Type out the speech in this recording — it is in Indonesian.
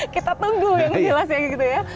kita tunggu ya menjelaskan gitu ya